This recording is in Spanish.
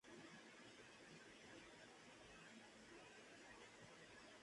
Los rangos hormonales no son exactos y varían dependiendo de la fuente referenciada.